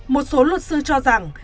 một số luật sư cho rằng